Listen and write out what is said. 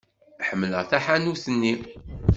Ḥemmleɣ taḥanut-nni.